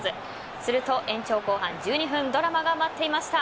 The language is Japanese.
すると延長後半１２分ドラマが待っていました。